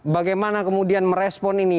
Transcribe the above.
bagaimana kemudian merespon ini